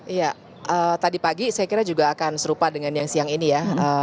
iya tadi pagi saya kira juga akan serupa dengan yang siang ini ya